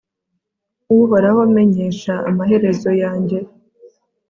uhoraho, menyesha amaherezo yanjye